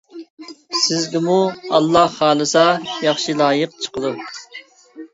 سىزگىمۇ ئاللاھ خالىسا ياخشى لايىق چىقىدۇ.